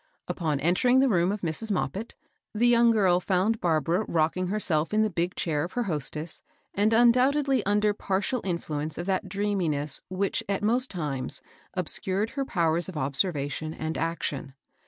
Upon entering the room of Mrs. Moppit, the young girl found Barbara rocking herself in the big chair of her hostess, and undoubtedly under partial influence of that dreaminess which at most times obscured her powers of observation and action.